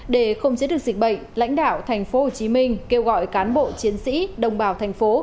để không chế được dịch bệnh lãnh đạo tp hcm kêu gọi cán bộ chiến sĩ đồng bào thành phố